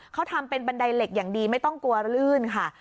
เขาทำเป็นบันไดเหล็กอย่างดีไม่ต้องกลัวลื่นค่ะ